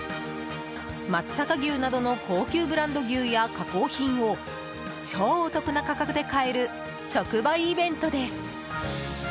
松阪牛などの高級ブランド牛や加工品を超お得な価格で買える直売イベントです。